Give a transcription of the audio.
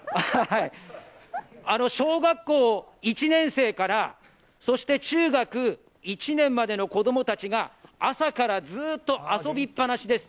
小学校１年生から中学１年までの子供たちが朝からずーっと遊びっぱなしです。